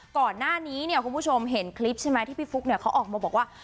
ก่อนหน้านี้เนี่ยคุณผู้ชมเห็นคลิปใช่ไหมที่พี่ฟุ๊กเนี่ยเขาออกมาบอกว่า